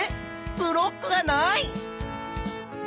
ブロックがない！